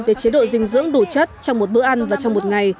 về chế độ dinh dưỡng đủ chất trong một bữa ăn và trong một ngày